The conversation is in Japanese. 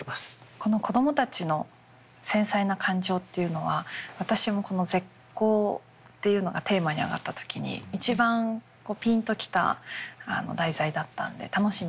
この子供たちの繊細な感情っていうのは私もこの絶交っていうのがテーマに上がった時に一番ピンと来た題材だったんで楽しみです。